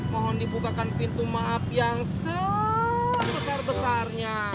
mohon dibukakan pintu maaf yang sebesar besarnya